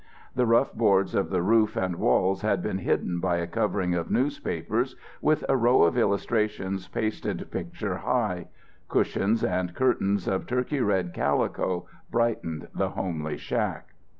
The rough boards of the roof and walls had been hidden by a covering of newspapers, with a row of illustrations pasted picture height. Cushions and curtains of turkey red calico brightened the homely shack.